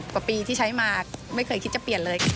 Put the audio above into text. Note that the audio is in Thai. กว่าปีที่ใช้มาไม่เคยคิดจะเปลี่ยนเลย